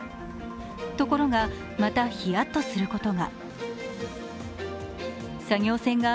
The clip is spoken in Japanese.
ところが、またヒヤッとすることが。